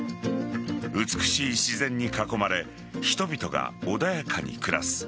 美しい自然に囲まれ人々が穏やかに暮らす。